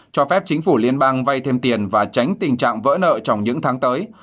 cho phép chính phủ liên bang vay thêm tiền và tránh tình trạng vỡ nợ trong những tháng tới